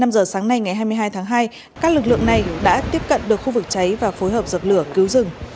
năm giờ sáng nay ngày hai mươi hai tháng hai các lực lượng này đã tiếp cận được khu vực cháy và phối hợp dập lửa cứu rừng